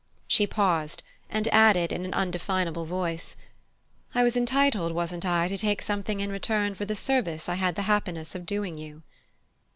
She paused, and added in an undefinable voice: "I was entitled, wasn't I, to take something in return for the service I had the happiness of doing you?"